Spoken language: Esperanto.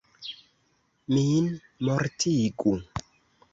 Min mortigu!